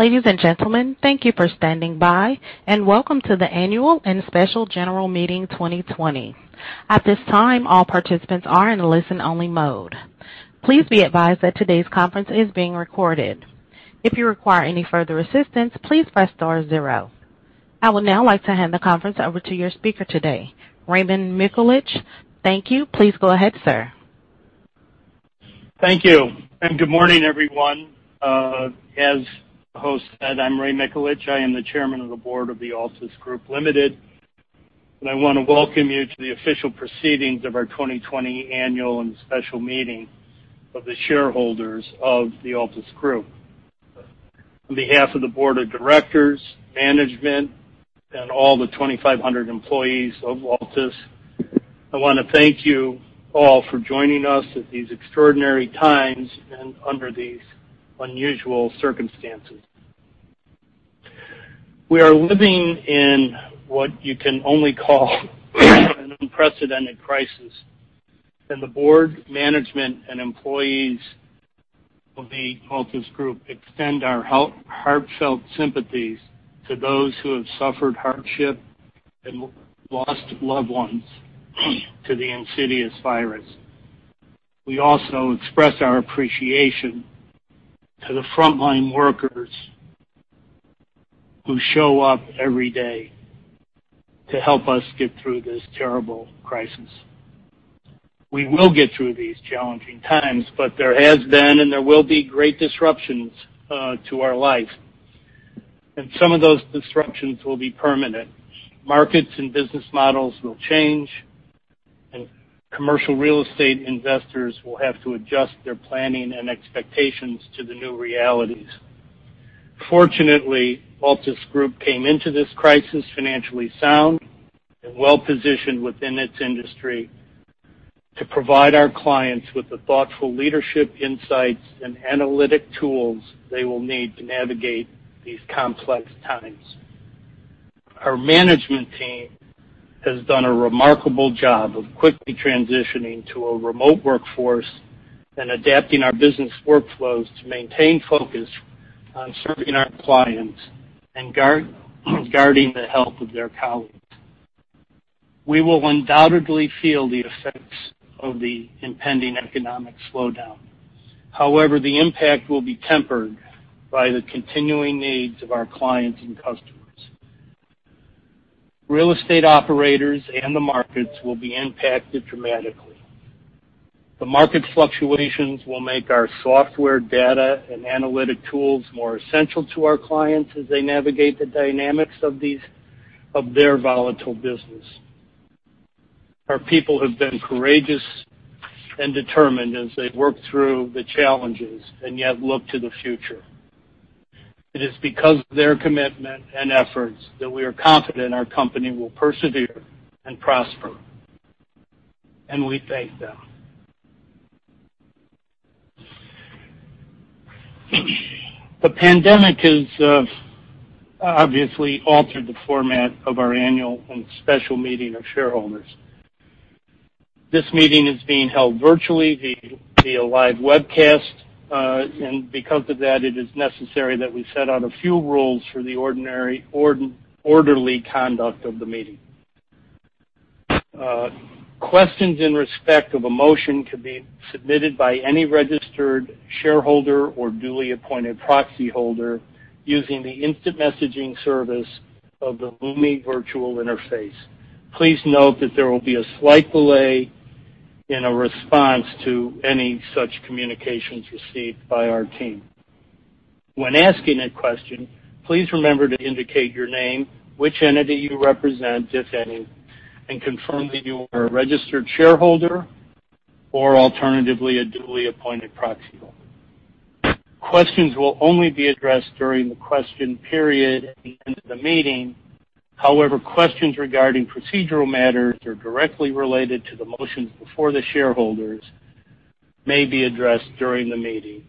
Ladies and gentlemen, thank you for standing by, and welcome to the Annual and Special General Meeting 2020. At this time, all participants are in a listen-only mode. Please be advised that today's conference is being recorded if you require any further assistance please press star then zero. I would now like to hand the conference over to your speaker today, Raymond Mikulich. Thank you. Please go ahead, sir. Thank you, good morning, everyone. As the host said, I'm Ray Mikulich. I am the Chairman of the Board of the Altus Group Limited, and I wanna welcome you to the official proceedings of our 2020 Annual and Special Meeting of the Shareholders of the Altus Group. On behalf of the board of directors, management, and all the 2,500 employees of Altus, I wanna thank you all for joining us at these extraordinary times and under these unusual circumstances. We are living in what you can only call an unprecedented crisis, and the board, management, and employees of the Altus Group extend our heartfelt sympathies to those who have suffered hardship and lost loved ones to the insidious virus. We also express our appreciation to the frontline workers who show up every day to help us get through this terrible crisis. We will get through these challenging times. There has been and there will be great disruptions to our lives, and some of those disruptions will be permanent. Markets and business models will change. Commercial real estate investors will have to adjust their planning and expectations to the new realities. Fortunately, Altus Group came into this crisis financially sound and well-positioned within its industry to provide our clients with the thoughtful leadership insights and analytic tools they will need to navigate these complex times. Our management team has done a remarkable job of quickly transitioning to a remote workforce and adapting our business workflows to maintain focus on serving our clients and guarding the health of their colleagues. We will undoubtedly feel the effects of the impending economic slowdown. However, the impact will be tempered by the continuing needs of our clients and customers. Real estate operators and the markets will be impacted dramatically. The market fluctuations will make our software data and analytic tools more essential to our clients as they navigate the dynamics of their volatile business. Our people have been courageous and determined as they work through the challenges and yet look to the future. It is because of their commitment and efforts that we are confident our company will persevere and prosper, and we thank them. The pandemic has obviously altered the format of our annual and special meeting of shareholders. This meeting is being held virtually via live webcast. Because of that, it is necessary that we set out a few rules for the orderly conduct of the meeting. Questions in respect of a motion could be submitted by any registered shareholder or duly appointed proxyholder using the instant messaging service of the Lumi AGM Platform. Please note that there will be a slight delay in a response to any such communications received by our team. When asking a question, please remember to indicate your name, which entity you represent, if any, and confirm that you are a registered shareholder or alternatively a duly appointed proxyholder. Questions will only be addressed during the question period at the end of the meeting. Questions regarding procedural matters or directly related to the motions before the shareholders may be addressed during the meeting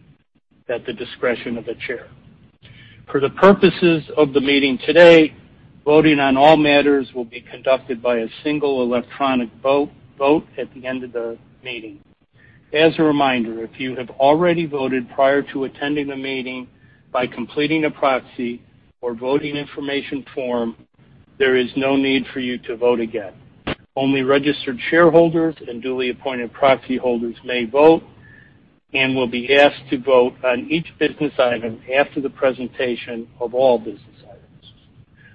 at the discretion of the chair. For the purposes of the meeting today, voting on all matters will be conducted by a single electronic vote at the end of the meeting. As a reminder, if you have already voted prior to attending the meeting by completing a proxy or voting information form, there is no need for you to vote again. Only registered shareholders and duly appointed proxyholders may vote and will be asked to vote on each business item after the presentation of all business items.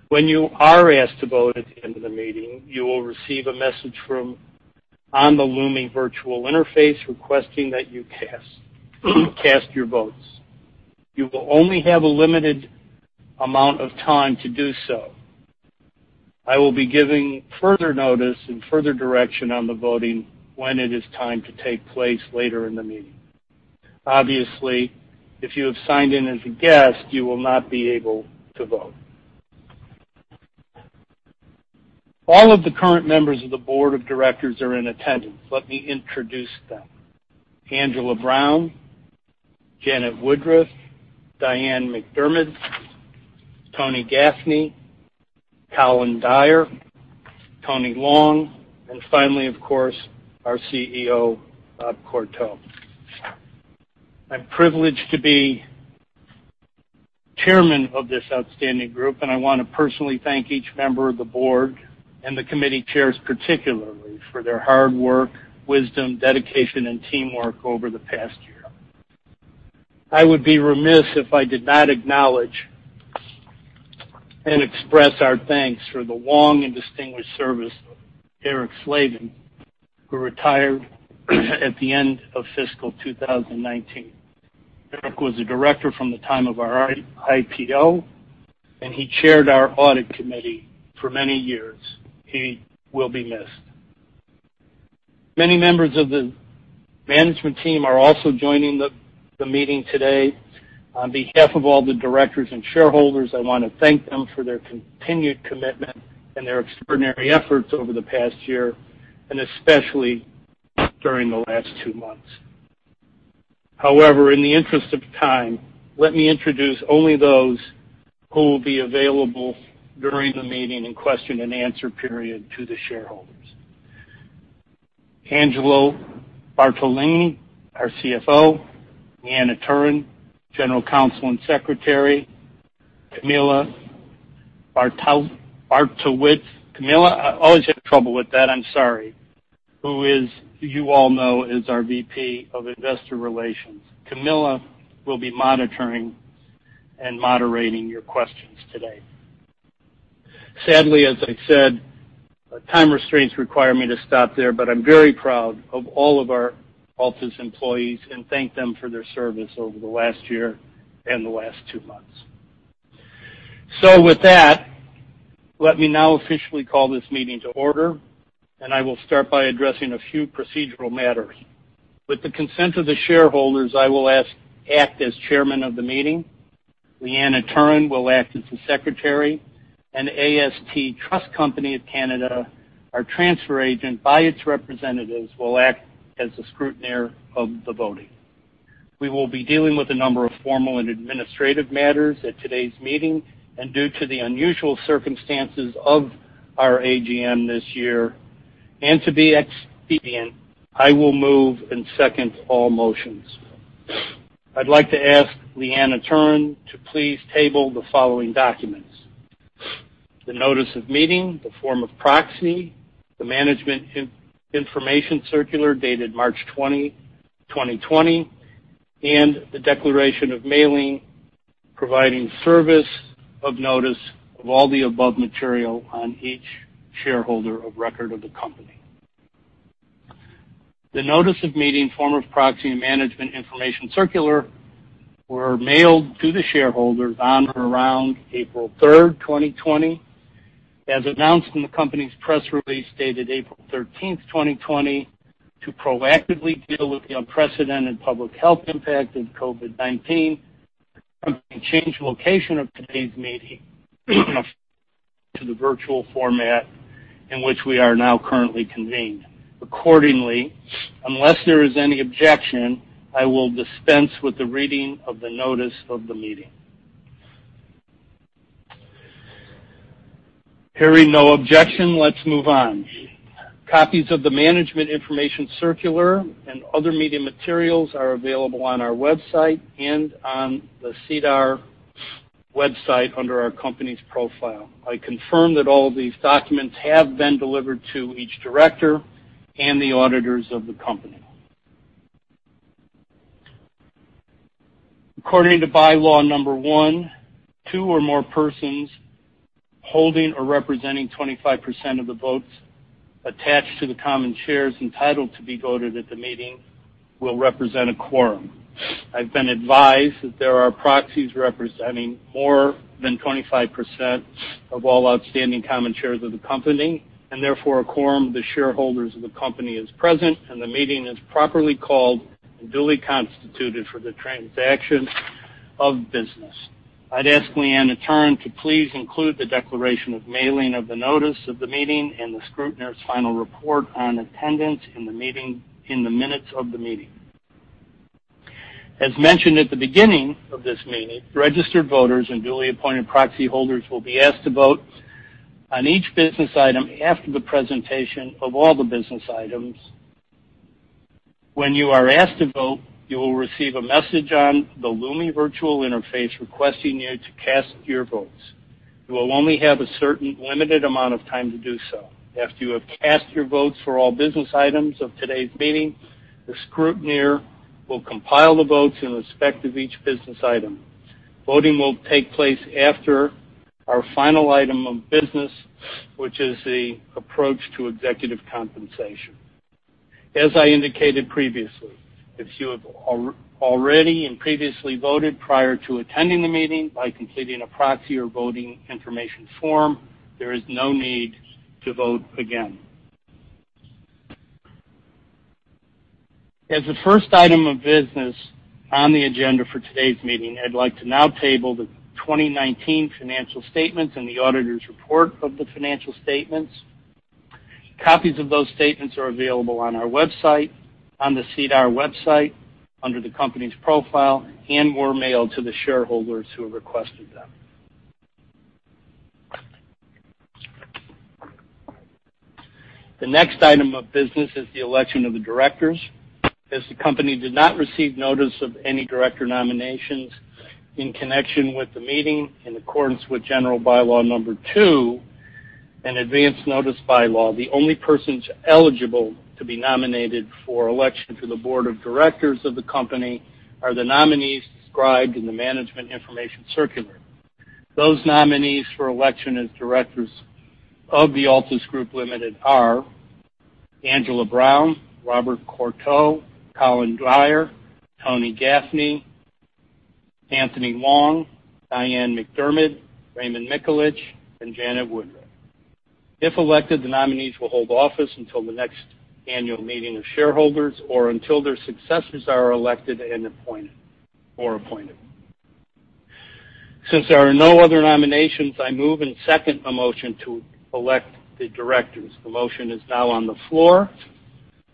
When you are asked to vote at the end of the meeting, you will receive a message on the Lumi AGM Platform requesting that you cast your votes. You will only have a limited amount of time to do so. I will be giving further notice and further direction on the voting when it is time to take place later in the meeting. Obviously, if you have signed in as a guest, you will not be able to vote. All of the current members of the board of directors are in attendance. Let me introduce them. Angela Brown, Janet Woodruff, Diane MacDiarmid, Anthony Gaffney, Colin Dyer, Anthony Long, and finally, of course, our CEO, Bob Courteau. I'm privileged to be Chairman of this outstanding group, and I wanna personally thank each member of the board and the committee chairs particularly for their hard work, wisdom, dedication, and teamwork over the past year. I would be remiss if I did not acknowledge and express our thanks for the long and distinguished service of Eric Slavens, who retired at the end of fiscal 2019. Eric was a director from the time of our IPO, and he chaired our audit committee for many years. He will be missed. Many members of the management team are also joining the meeting today. On behalf of all the directors and shareholders, I wanna thank them for their continued commitment and their extraordinary efforts over the past year, and especially during the last two months. However, in the interest of time, let me introduce only those who will be available during the meeting and question-and-answer period to the shareholders. Angelo Bartolini, our CFO, Leanne Eterno, General Counsel and Secretary, Camilla Bartosiewicz. Camilla I always have trouble with that, I'm sorry, who is, you all know, is our VP of Investor Relations. Camilla will be monitoring and moderating your questions today. Sadly, as I said, time restraints require me to stop there, but I'm very proud of all of our Altus employees and thank them for their service over the last year and the last two months. With that, let me now officially call this meeting to order, and I will start by addressing a few procedural matters. With the consent of the shareholders, I will act as chairman of the meeting. Leanne Eterno will act as the secretary, and AST Trust Company (Canada), our transfer agent by its representatives, will act as the scrutineer of the voting. We will be dealing with a number of formal and administrative matters at today's meeting, and due to the unusual circumstances of our AGM this year, and to be expedient, I will move and second all motions. I'd like to ask Leanne Eterno to please table the following documents: the notice of meeting, the form of proxy, the management information circular dated March 20, 2020, and the declaration of mailing providing service of notice of all the above material on each shareholder of record of the company. The notice of meeting, form of proxy, and management information circular were mailed to the shareholders on or around April 3, 2020. As announced in the company's press release dated April 13, 2020, to proactively deal with the unprecedented public health impact of COVID-19, the company changed the location of today's meeting to the virtual format in which we are now currently convened. Accordingly, unless there is any objection, I will dispense with the reading of the notice of the meeting. Hearing no objection, let's move on. Copies of the Management Information Circular and other meeting materials are available on our website and on the SEDAR website under our company's profile. I confirm that all these documents have been delivered to each director and the auditors of the company. According to bylaw number 1, two or more persons holding or representing 25% of the votes attached to the common shares entitled to be voted at the meeting will represent a quorum. I've been advised that there are proxies representing more than 25% of all outstanding common shares of the company, and therefore, a quorum of the shareholders of the company is present, and the meeting is properly called and duly constituted for the transaction of business. I'd ask Leanne Eterno to please include the declaration of mailing of the notice of the meeting and the scrutineer's final report on attendance in the minutes of the meeting. As mentioned at the beginning of this meeting, registered voters and duly appointed proxy holders will be asked to vote on each business item after the presentation of all the business items. When you are asked to vote, you will receive a message on the Lumi AGM Platform requesting you to cast your votes. You will only have a certain limited amount of time to do so. After you have cast your votes for all business items of today's meeting, the scrutineer will compile the votes in respect of each business item. Voting will take place after our final item of business, which is the approach to executive compensation. As I indicated previously, if you have already and previously voted prior to attending the meeting by completing a proxy or voting information form, there is no need to vote again. As the first item of business on the agenda for today's meeting, I'd like to now table the 2019 financial statements and the auditor's report on the financial statements. Copies of those statements are available on our website, on the SEDAR website under the company's profile and were mailed to the shareholders who requested them. The next item of business is the election of the directors. As the company did not receive notice of any director nominations in connection with the meeting, in accordance with general bylaw number 2, an advance notice bylaw, the only persons eligible to be nominated for election to the board of directors of the company are the nominees described in the Management Information Circular. Those nominees for election as directors of The Altus Group Limited are Angela Brown, Bob Courteau, Colin Dyer, Anthony Gaffney, Anthony Long, Diane MacDiarmid, Raymond Mikulich, and Janet Woodruff. If elected, the nominees will hold office until the next annual meeting of shareholders or until their successors are elected and appointed. Since there are no other nominations, I move and second a motion to elect the directors. The motion is now on the floor.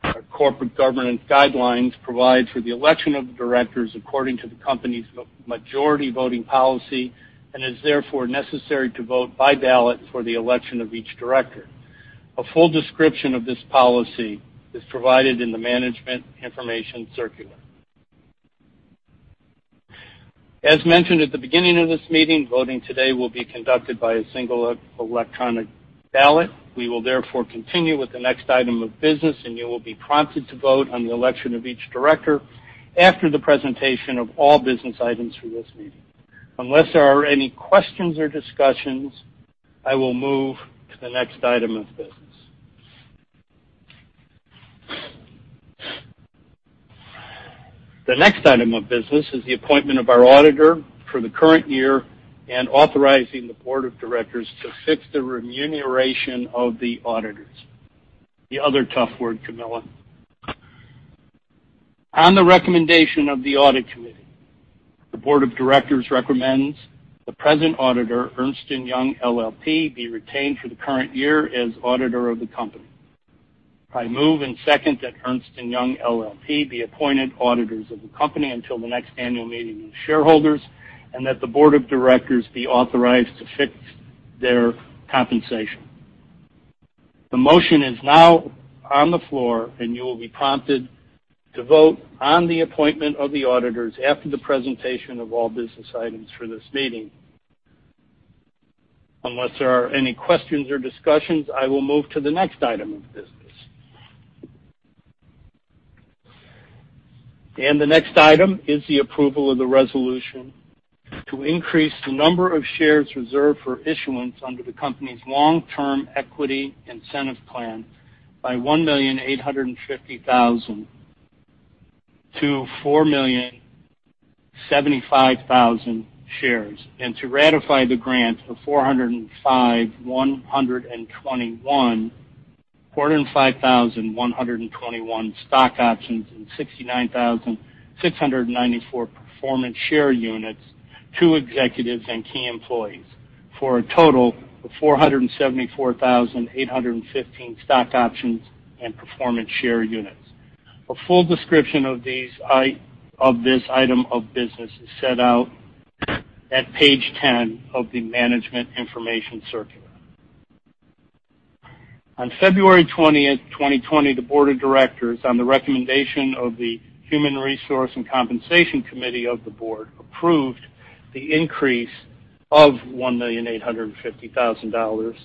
Our corporate governance guidelines provide for the election of the directors according to the company's majority voting policy and is therefore necessary to vote by ballot for the election of each director. A full description of this policy is provided in the Management Information Circular. As mentioned at the beginning of this meeting, voting today will be conducted by a single electronic ballot. We will therefore continue with the next item of business, and you will be prompted to vote on the election of each director after the presentation of all business items for this meeting. Unless there are any questions or discussions, I will move to the next item of business. The next item of business is the appointment of our auditor for the current year and authorizing the Board of Directors to fix the remuneration of the auditors. The other tough word, Camilla. On the recommendation of the Audit Committee, the Board of Directors recommends the present auditor, Ernst & Young LLP, be retained for the current year as auditor of the company. I move and second that Ernst & Young LLP be appointed auditors of the company until the next annual meeting of shareholders, and that the Board of Directors be authorized to fix their compensation. The motion is now on the floor, and you will be prompted to vote on the appointment of the auditors after the presentation of all business items for this meeting. Unless there are any questions or discussions, I will move to the next item of business. The next item is the approval of the resolution to increase the number of shares reserved for issuance under the company's long-term equity incentive plan by 1,850,000 to 4,075,000 shares, and to ratify the grant of 405,121 stock options and 69,694 performance share units to executives and key employees for a total of 474,815 stock options and performance share units. A full description of this item of business is set out at page 10 of the Management Information Circular. On February 20th, 2020, the board of directors, on the recommendation of the Human Resources and Compensation Committee of the board, approved the increase of 1,850,000 dollars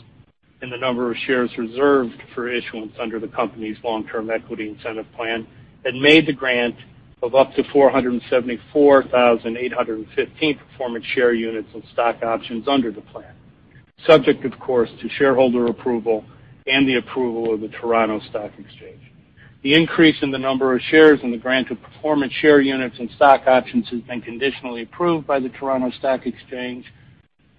in the number of shares reserved for issuance under the company's long-term equity incentive plan and made the grant of up to 474,815 performance share units and stock options under the plan, subject, of course, to shareholder approval and the approval of the Toronto Stock Exchange. The increase in the number of shares in the grant of performance share units and stock options has been conditionally approved by the Toronto Stock Exchange,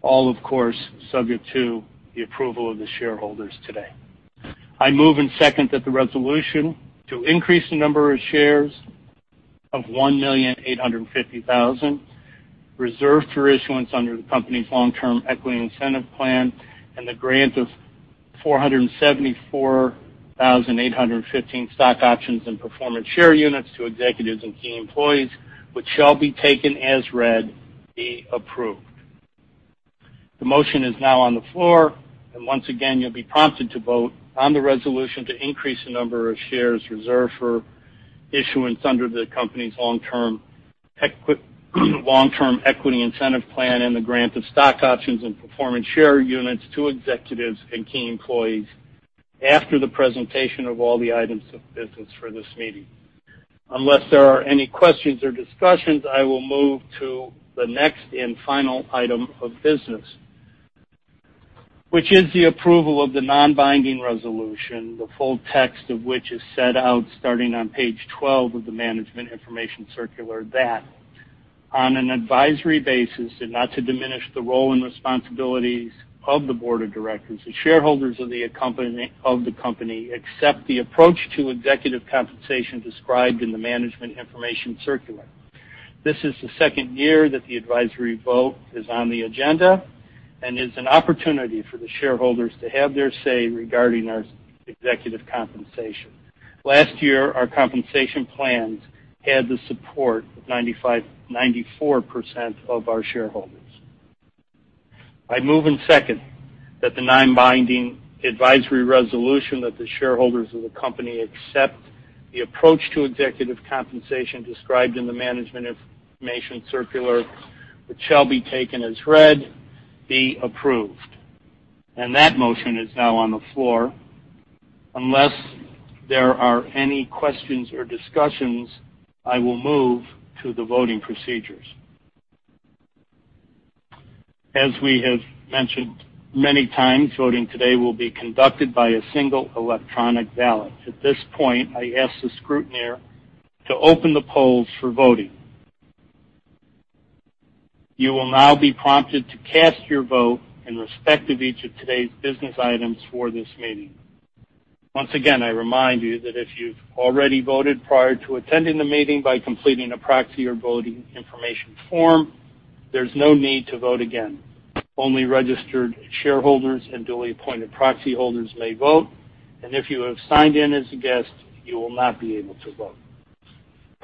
all, of course, subject to the approval of the shareholders today. I move and second that the resolution to increase the number of shares of 1,850,000 reserved for issuance under the company's long-term equity incentive plan and the grant of 474,815 stock options and performance share units to executives and key employees, which shall be taken as read, be approved. The motion is now on the floor. Once again, you'll be prompted to vote on the resolution to increase the number of shares reserved for issuance under the company's long-term equity incentive plan and the grant of stock options and performance share units to executives and key employees after the presentation of all the items of business for this meeting. Unless there are any questions or discussions, I will move to the next and final item of business, which is the approval of the non-binding resolution, the full text of which is set out starting on page 12 of the Management Information Circular, that on an advisory basis and not to diminish the role and responsibilities of the Board of Directors, the shareholders of the company accept the approach to executive compensation described in the Management Information Circular. This is the second year that the advisory vote is on the agenda and is an opportunity for the shareholders to have their say regarding our executive compensation. Last year, our compensation plans had the support of 94% of our shareholders. I move and second that the non-binding advisory resolution that the shareholders of the company accept the approach to executive compensation described in the Management Information Circular, which shall be taken as read, be approved. That motion is now on the floor. Unless there are any questions or discussions, I will move to the voting procedures. As we have mentioned many times, voting today will be conducted by a single electronic ballot. At this point, I ask the scrutineer to open the polls for voting. You will now be prompted to cast your vote in respect of each of today's business items for this meeting. Once again, I remind you that if you've already voted prior to attending the meeting by completing a proxy or voting information form, there's no need to vote again. Only registered shareholders and duly appointed proxy holders may vote. If you have signed in as a guest, you will not be able to vote.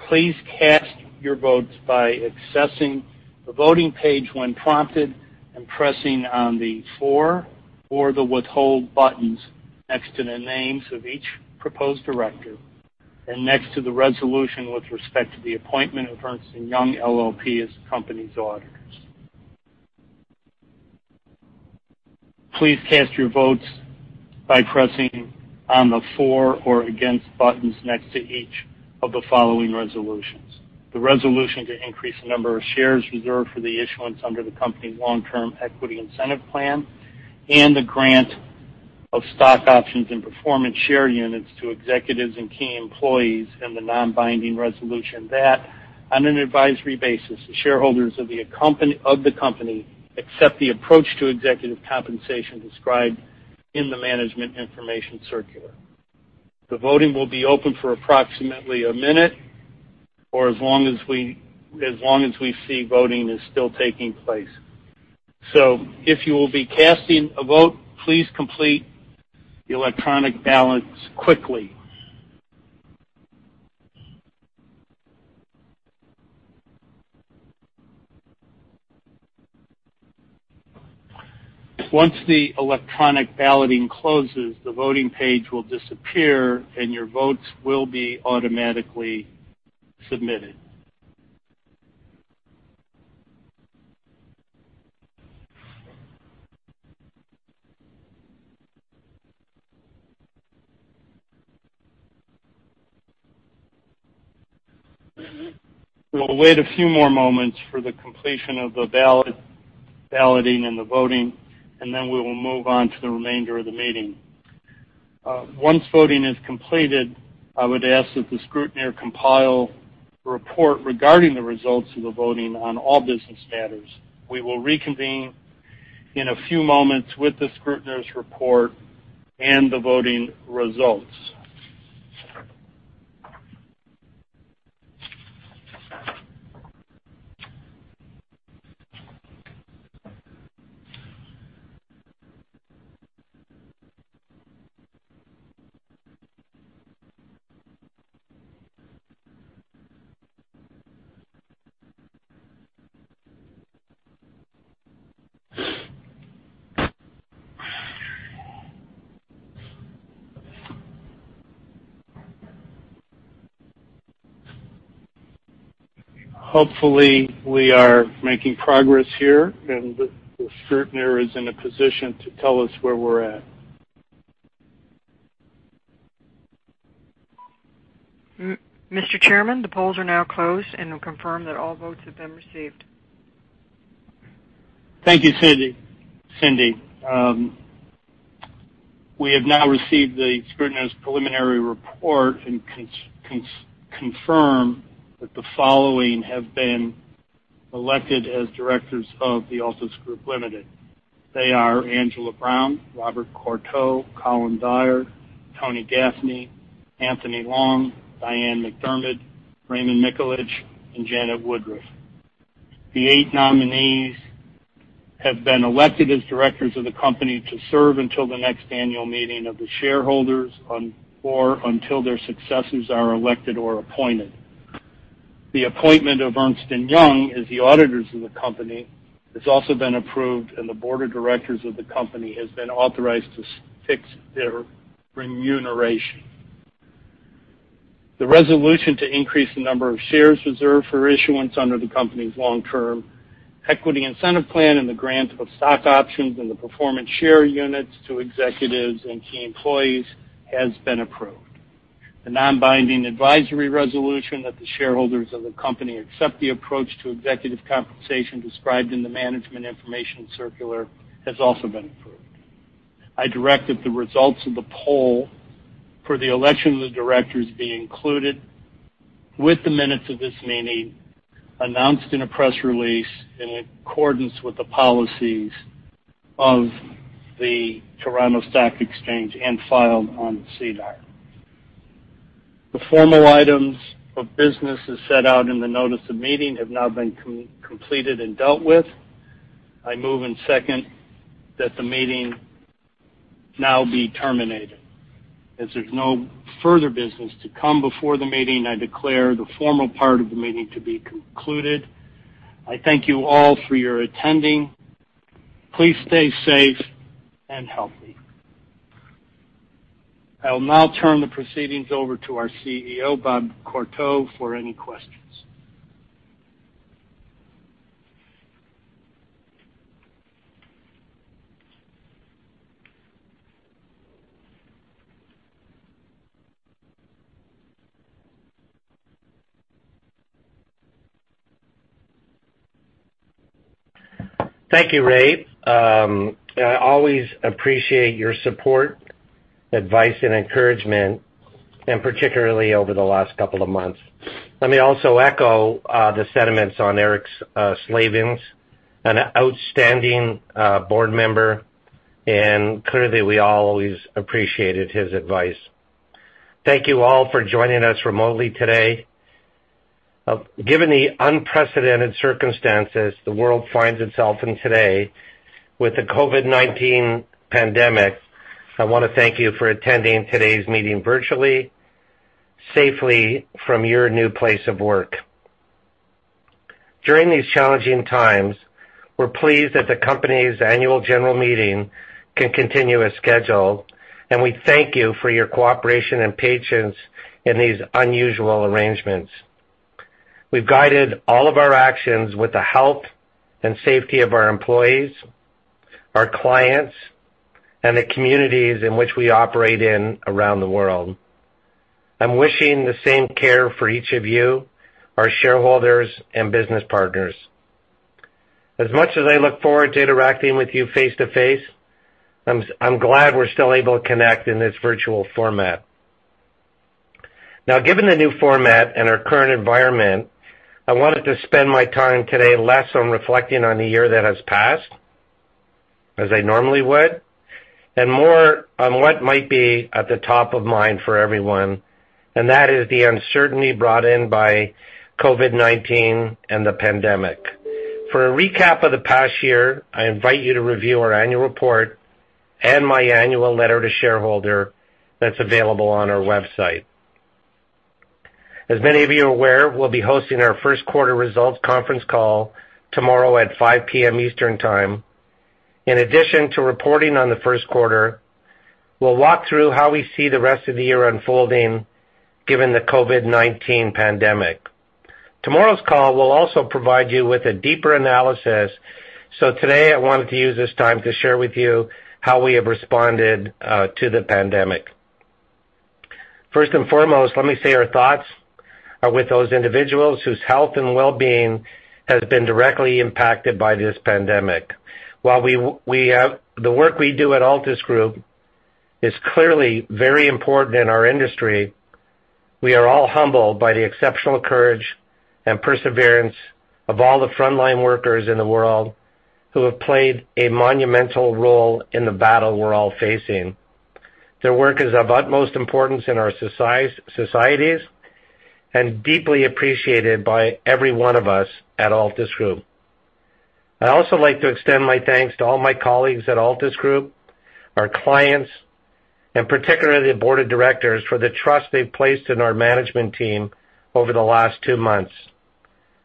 Please cast your votes by accessing the voting page when prompted and pressing on the "For" or the "Withhold" buttons next to the names of each proposed director and next to the resolution with respect to the appointment of Ernst & Young LLP as the company's auditors. Please cast your votes by pressing on the "For" or "Against" buttons next to each of the following resolutions. The resolution to increase the number of shares reserved for the issuance under the company's long-term equity incentive plan and the grant of stock options and performance share units to executives and key employees in the non-binding resolution that, on an advisory basis, the shareholders of the company accept the approach to executive compensation described in the Management Information Circular. The voting will be open for approximately a minute or as long as we see voting is still taking place. If you will be casting a vote, please complete the electronic ballots quickly. Once the electronic balloting closes, the voting page will disappear, and your votes will be automatically submitted. We'll wait a few more moments for the completion of the balloting and the voting, and then we will move on to the remainder of the meeting. Once voting is completed, I would ask that the scrutineer compile a report regarding the results of the voting on all business matters. We will reconvene in a few moments with the scrutineer's report and the voting results. Hopefully, we are making progress here, and the scrutineer is in a position to tell us where we're at. Mr. Chairman, the polls are now closed, and I confirm that all votes have been received. Thank you, Cindy. We have now received the scrutineer's preliminary report and confirm that the following have been elected as directors of The Altus Group Limited. They are Angela Brown, Bob Courteau, Colin Dyer, Anthony Gaffney, Anthony Long, Diane MacDiarmid, Raymond Mikulich, and Janet Woodruff. The eight nominees have been elected as directors of the company to serve until the next annual meeting of the shareholders or until their successors are elected or appointed. The appointment of Ernst & Young as the auditors of the company has also been approved, and the board of directors of the company has been authorized to fix their remuneration. The resolution to increase the number of shares reserved for issuance under the company's long-term equity incentive plan and the grant of stock options and the performance share units to executives and key employees has been approved. The non-binding advisory resolution that the shareholders of the company accept the approach to executive compensation described in the Management Information Circular has also been approved. I direct that the results of the poll for the election of the directors be included with the minutes of this meeting, announced in a press release in accordance with the policies of the Toronto Stock Exchange and filed on SEDAR. The formal items of business as set out in the notice of meeting have now been completed and dealt with. I move and second that the meeting now be terminated. As there's no further business to come before the meeting, I declare the formal part of the meeting to be concluded. I thank you all for your attending. Please stay safe and healthy. I'll now turn the proceedings over to our CEO, Bob Courteau, for any questions. Thank you, Ray. I always appreciate your support, advice and encouragement, and particularly over the last couple of months. Let me also echo the sentiments on Eric Slavens, an outstanding board member, and clearly, we always appreciated his advice. Thank you all for joining us remotely today. Given the unprecedented circumstances the world finds itself in today with the COVID-19 pandemic, I wanna thank you for attending today's meeting virtually, safely from your new place of work. During these challenging times, we're pleased that the company's annual general meeting can continue as scheduled, and we thank you for your cooperation and patience in these unusual arrangements. We've guided all of our actions with the health and safety of our employees, our clients, and the communities in which we operate in around the world. I'm wishing the same care for each of you, our shareholders, and business partners. As much as I look forward to interacting with you face to face, I'm glad we're still able to connect in this virtual format. Given the new format and our current environment, I wanted to spend my time today less on reflecting on the year that has passed, as I normally would, and more on what might be at the top of mind for everyone, and that is the uncertainty brought in by COVID-19 and the pandemic. For a recap of the past year, I invite you to review our annual report and my annual letter to shareholder that's available on our website. As many of you are aware, we'll be hosting our first quarter results conference call tomorrow at 5:00 P.M. Eastern Time. In addition to reporting on the first quarter, we'll walk through how we see the rest of the year unfolding given the COVID-19 pandemic. Tomorrow's call will also provide you with a deeper analysis. Today, I wanted to use this time to share with you how we have responded to the pandemic. First and foremost, let me say our thoughts are with those individuals whose health and wellbeing has been directly impacted by this pandemic. While we, the work we do at Altus Group is clearly very important in our industry, we are all humbled by the exceptional courage and perseverance of all the frontline workers in the world who have played a monumental role in the battle we're all facing. Their work is of utmost importance in our societies and deeply appreciated by every one of us at Altus Group. I'd also like to extend my thanks to all my colleagues at Altus Group, our clients, and particularly the board of directors for the trust they've placed in our management team over the last two months.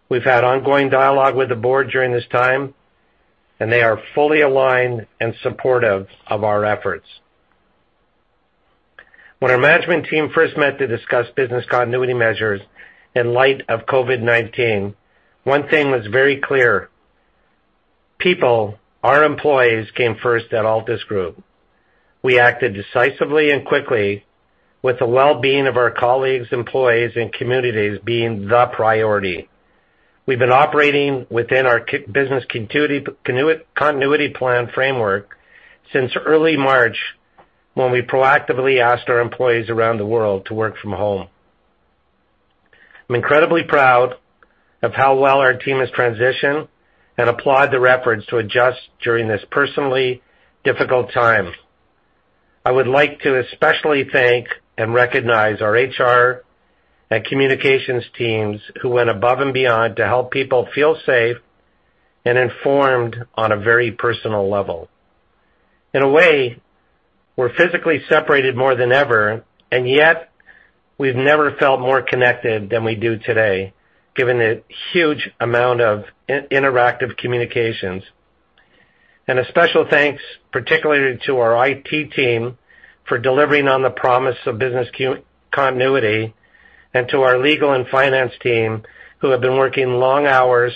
We've had ongoing dialogue with the board during this time, and they are fully aligned and supportive of our efforts. When our management team first met to discuss business continuity measures in light of COVID-19, one thing was very clear: people, our employees, came first at Altus Group. We acted decisively and quickly with the wellbeing of our colleagues, employees and communities being the priority. We've been operating within our continuity plan framework since early March, when we proactively asked our employees around the world to work from home. I'm incredibly proud of how well our team has transitioned and applaud their efforts to adjust during this personally difficult time. I would like to especially thank and recognize our HR and communications teams who went above and beyond to help people feel safe and informed on a very personal level. In a way, we're physically separated more than ever, yet we've never felt more connected than we do today, given the huge amount of interactive communications. A special thanks particularly to our IT team for delivering on the promise of business continuity and to our legal and finance team who have been working long hours,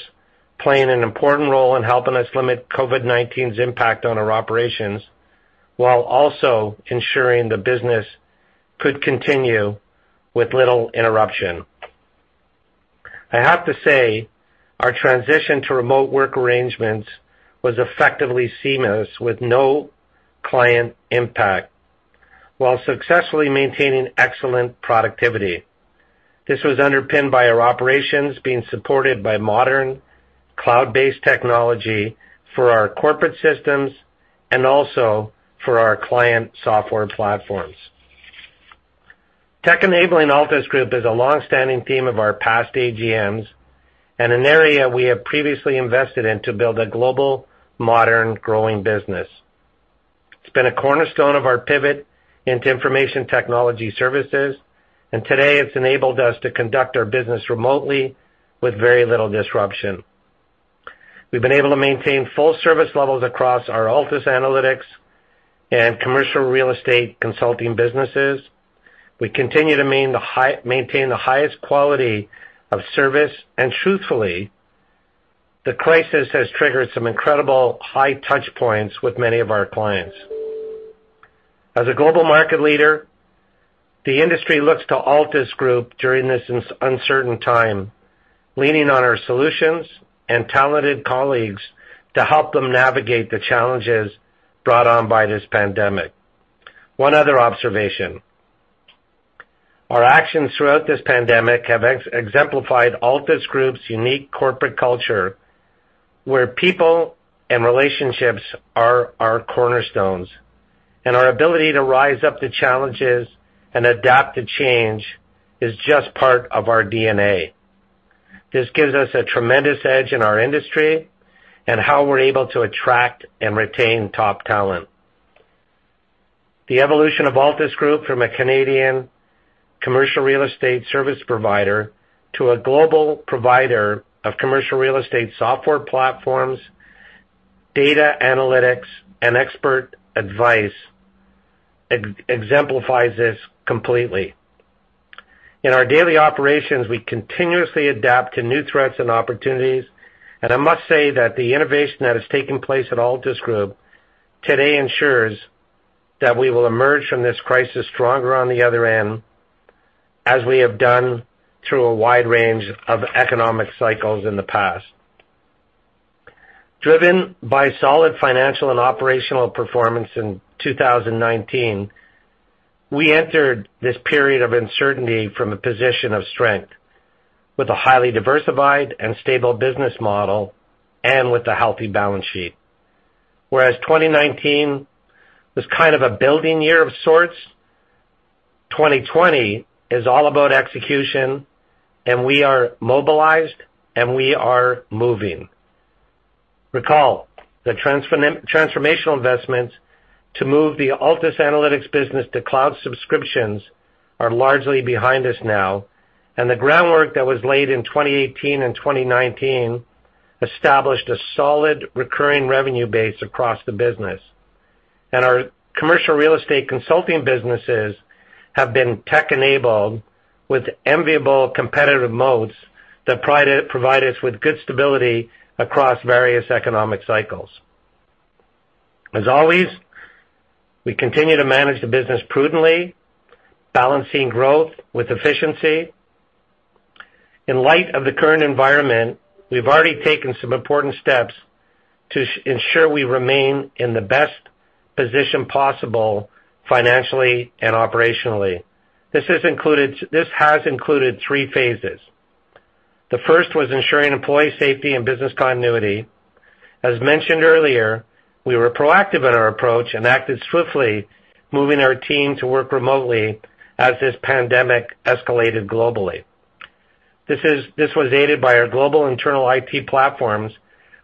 playing an important role in helping us limit COVID-19's impact on our operations while also ensuring the business could continue with little interruption. I have to say, our transition to remote work arrangements was effectively seamless with no client impact while successfully maintaining excellent productivity. This was underpinned by our operations being supported by modern cloud-based technology for our corporate systems and also for our client software platforms. Tech enabling Altus Group is a long-standing theme of our past AGMs and an area we have previously invested in to build a global, modern, growing business. It's been a cornerstone of our pivot into information technology services, and today it's enabled us to conduct our business remotely with very little disruption. We've been able to maintain full-service levels across our Altus Analytics and commercial real estate consulting businesses. We continue to maintain the highest quality of service, and truthfully, the crisis has triggered some incredible high touchpoints with many of our clients. As a global market leader, the industry looks to Altus Group during this uncertain time, leaning on our solutions and talented colleagues to help them navigate the challenges brought on by this pandemic. 1 other observation. Our actions throughout this pandemic have exemplified Altus Group's unique corporate culture, where people and relationships are our cornerstones. Our ability to rise up to challenges and adapt to change is just part of our DNA. This gives us a tremendous edge in our industry and how we're able to attract and retain top talent. The evolution of Altus Group from a Canadian commercial real estate service provider to a global provider of commercial real estate software platforms, data analytics, and expert advice exemplifies this completely. In our daily operations, we continuously adapt to new threats and opportunities, and I must say that the innovation that has taken place at Altus Group today ensures that we will emerge from this crisis stronger on the other end, as we have done through a wide range of economic cycles in the past. Driven by solid financial and operational performance in 2019, we entered this period of uncertainty from a position of strength with a highly diversified and stable business model and with a healthy balance sheet. Whereas 2019 was kind of a building year of sorts, 2020 is all about execution, and we are mobilized, and we are moving. Recall that transformational investments to move the Altus Analytics business to cloud subscriptions are largely behind us now. The groundwork that was laid in 2018 and 2019 established a solid recurring revenue base across the business. Our commercial real estate consulting businesses have been tech-enabled with enviable competitive moats that provide us with good stability across various economic cycles. As always, we continue to manage the business prudently, balancing growth with efficiency. In light of the current environment, we've already taken some important steps to ensure we remain in the best position possible financially and operationally. This has included three phases. The first was ensuring employee safety and business continuity. As mentioned earlier, we were proactive in our approach and acted swiftly, moving our team to work remotely as this pandemic escalated globally. This was aided by our global internal IT platforms,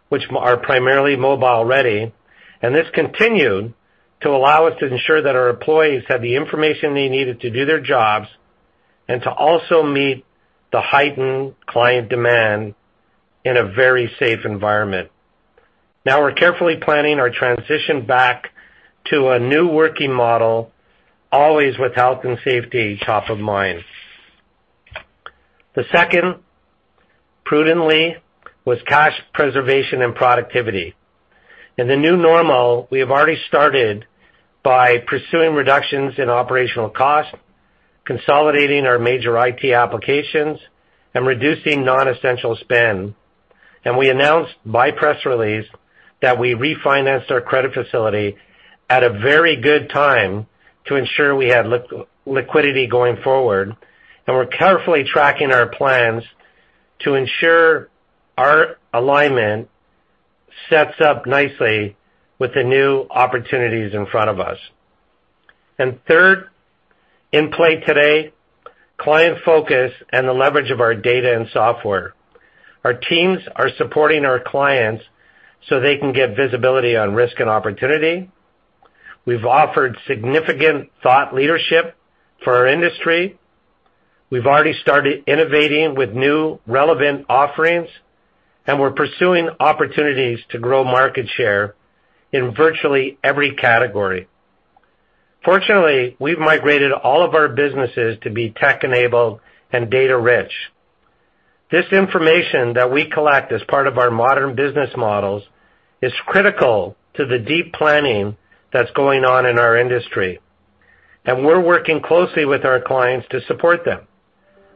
which are primarily mobile-ready, and this continued to allow us to ensure that our employees had the information they needed to do their jobs and to also meet the heightened client demand in a very safe environment. We're carefully planning our transition back to a new working model, always with health and safety top of mind. The second, prudently, was cash preservation and productivity. In the new normal, we have already started by pursuing reductions in operational costs, consolidating our major IT applications, and reducing non-essential spend. We announced by press release that we refinanced our credit facility at a very good time to ensure we had liquidity going forward. We're carefully tracking our plans to ensure our alignment sets up nicely with the new opportunities in front of us. Third, in play today, client focus and the leverage of our data and software. Our teams are supporting our clients so they can get visibility on risk and opportunity. We've offered significant thought leadership for our industry. We've already started innovating with new relevant offerings. We're pursuing opportunities to grow market share in virtually every category. Fortunately, we've migrated all of our businesses to be tech-enabled and data-rich. This information that we collect as part of our modern business models is critical to the deep planning that's going on in our industry. We're working closely with our clients to support them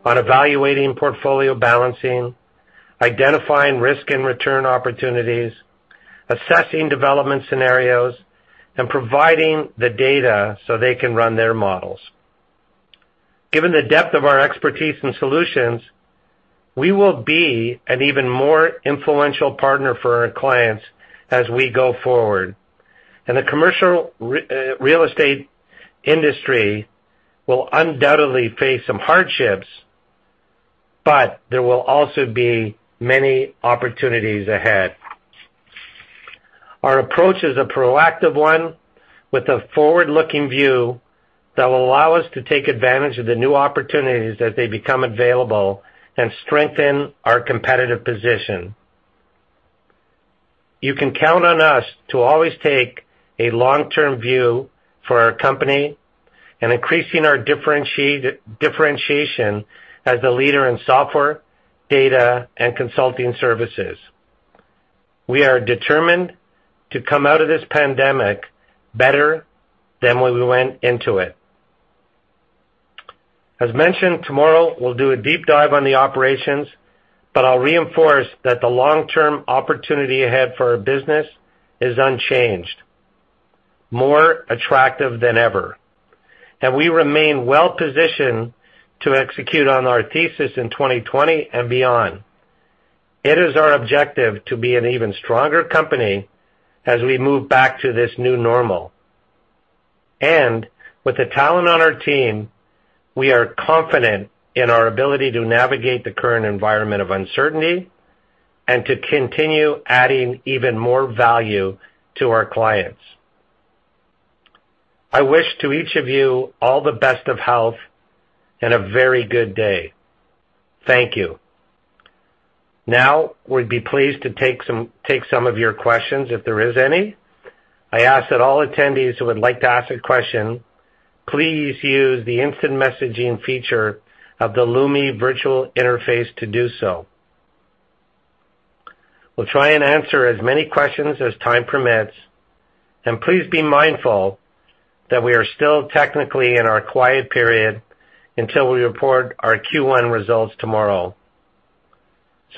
on evaluating portfolio balancing, identifying risk and return opportunities. Assessing development scenarios and providing the data so they can run their models. Given the depth of our expertise and solutions, we will be an even more influential partner for our clients as we go forward. The commercial real estate industry will undoubtedly face some hardships, but there will also be many opportunities ahead. Our approach is a proactive one with a forward-looking view that will allow us to take advantage of the new opportunities as they become available and strengthen our competitive position. You can count on us to always take a long-term view for our company and increasing our differentiation as a leader in software, data, and consulting services. We are determined to come out of this pandemic better than when we went into it. As mentioned, tomorrow we'll do a deep dive on the operations, but I'll reinforce that the long-term opportunity ahead for our business is unchanged, more attractive than ever, and we remain well-positioned to execute on our thesis in 2020 and beyond. It is our objective to be an even stronger company as we move back to this new normal. With the talent on our team, we are confident in our ability to navigate the current environment of uncertainty and to continue adding even more value to our clients. I wish to each of you all the best of health and a very good day. Thank you. Now, we'd be pleased to take some of your questions if there is any. I ask that all attendees who would like to ask a question, please use the instant messaging feature of the Lumi AGM Platform to do so. We'll try and answer as many questions as time permits, and please be mindful that we are still technically in our quiet period until we report our Q1 results tomorrow.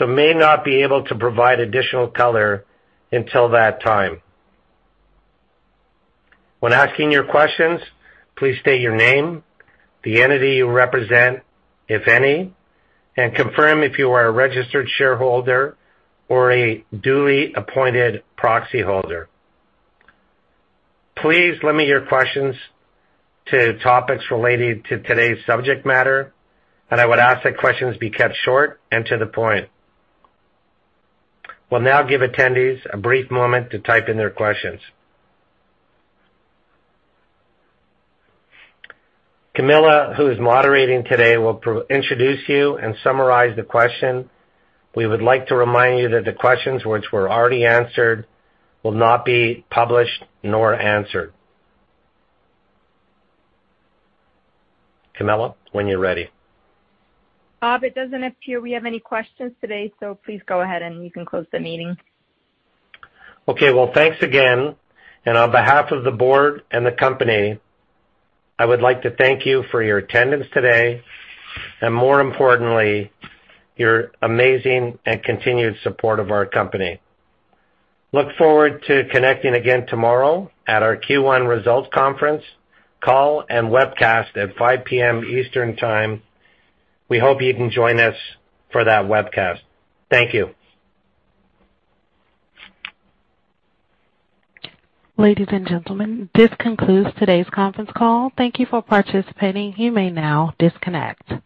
May not be able to provide additional color until that time. When asking your questions, please state your name, the entity you represent, if any, and confirm if you are a registered shareholder or a duly appointed proxyholder. Please limit your questions to topics related to today's subject matter, and I would ask that questions be kept short and to the point. We'll now give attendees a brief moment to type in their questions. Camilla, who is moderating today, will introduce you and summarize the question. We would like to remind you that the questions which were already answered will not be published nor answered. Camilla, when you're ready. Bob, it doesn't appear we have any questions today. Please go ahead and you can close the meeting. Okay. Well, thanks again. On behalf of the board and the company, I would like to thank you for your attendance today and more importantly, your amazing and continued support of our company. Look forward to connecting again tomorrow at our Q1 results conference call and webcast at 5:00 P.M. Eastern Time. We hope you can join us for that webcast. Thank you. Ladies and gentlemen, this concludes today's conference call. Thank you for participating. You may now disconnect.